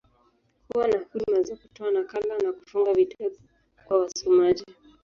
Huwa na huduma za kutoa nakala, na kufunga vitabu kwa wasomaji.